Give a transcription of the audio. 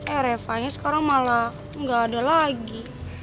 eh reva nya sekarang malah gak ada lagi